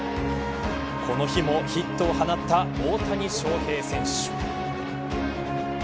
この日もヒットを放った大谷翔平選手。